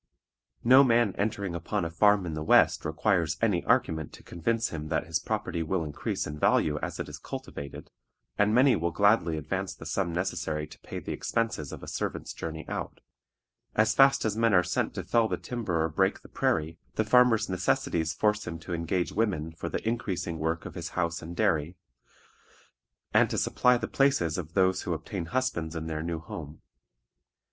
No man entering upon a farm in the West requires any argument to convince him that his property will increase in value as it is cultivated, and many will gladly advance the sum necessary to pay the expenses of a servant's journey out. As fast as men are sent to fell the timber or break the prairie, the farmer's necessities force him to engage women for the increasing work of his house and dairy, and to supply the places of those who obtain husbands in their new home.